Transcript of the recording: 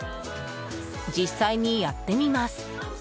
実際にやってみます。